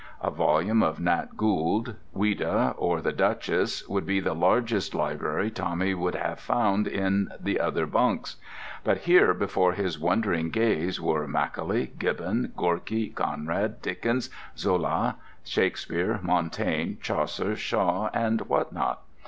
A volume of Nat Gould, Ouida or "The Duchess" would be the largest library Tommy would have found in the other bunks; but here, before his wondering gaze, were Macaulay, Gibbon, Gorki, Conrad, Dickens, Zola, Shakespeare, Montaigne, Chaucer, Shaw, and what not.